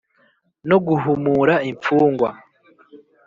No guhumura imfungwa